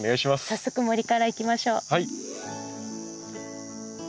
早速森から行きましょう。